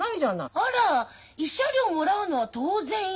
あら慰謝料もらうのは当然よ。